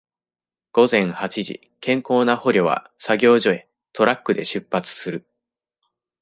午前八時、健康な捕虜は、作業所へ、トラックで出発する。